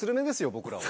僕らは。